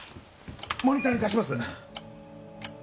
モニターに出します。